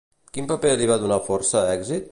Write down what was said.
Quin paper li va donar força èxit?